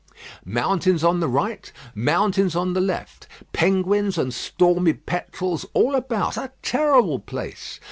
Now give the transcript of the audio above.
Mountains on the right, mountains on the left. Penguins and stormy petrels all about. A terrible place.